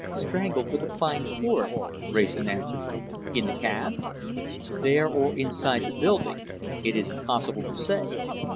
"Strangled with a fine cord," Wrayson answered. "In the cab?" "There or inside the building! It is impossible to say."